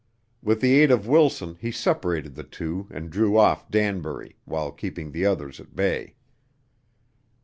With the aid of Wilson he separated the two and drew off Danbury, while keeping the others at bay.